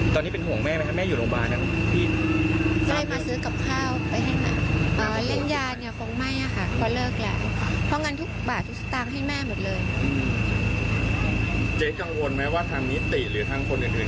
ทั้งคนอื่นเขาแบบจะภาวะเดือดร้อนกับวิธีกรรมของเจ๊